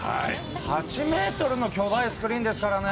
８ｍの巨大スクリーンですからね